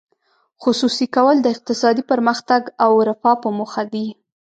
خصوصي کول د اقتصادي پرمختګ او رفاه په موخه دي.